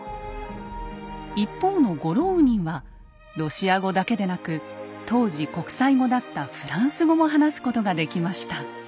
一方のゴローウニンはロシア語だけでなく当時国際語だったフランス語も話すことができました。